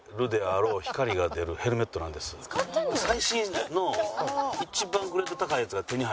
最新の一番グレード高いやつが手に入って。